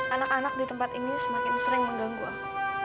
anak anak di tempat ini semakin sering mengganggu aku